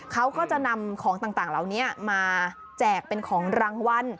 เขาก็จะนำของต่างเหล่านี้มาแจกเป็นของรางวัล